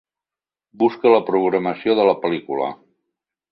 Busca la programació de la pel·lícula.